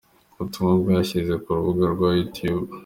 Ubutumwa bwashyize ku rubuga rwa YouTube.